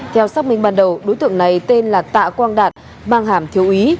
theo xác minh ban đầu đối tượng này tên là tạ quang đạt mang hàm thiếu úy